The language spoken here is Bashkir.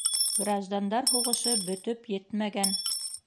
Граждандар һуғышы бөтөп етмәгән.